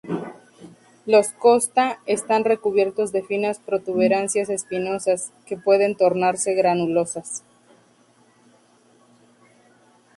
Los costa están recubiertos de finas protuberancias espinosas, que pueden tornarse granulosas.